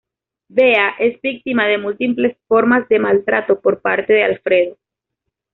Bea es víctima de múltiples formas de maltrato por parte de Alfredo.